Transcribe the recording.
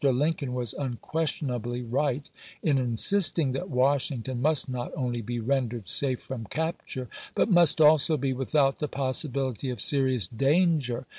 Lincoln was unquestionably right in insisting that Washington must not only be ren dered safe from capture, but must also be without the possibility of serious danger.